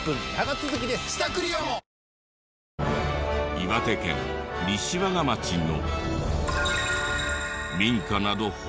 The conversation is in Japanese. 岩手県西和賀町の。